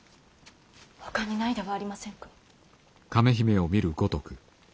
ほかにないではありませんか。